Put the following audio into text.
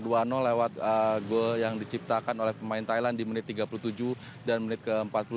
di final lag kedua ini dengan skor dua lewat goal yang diciptakan oleh pemain thailand di menit tiga puluh tujuh dan menit ke empat puluh tujuh